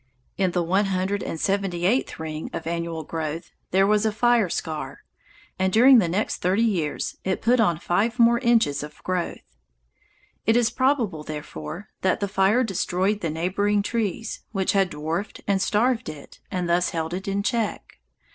In the one hundred and seventy eighth ring of annual growth there was a fire scar, and during the next thirty six years it put on five more inches of growth. It is probable, therefore, that the fire destroyed the neighboring trees, which had dwarfed and starved it and thus held it in check.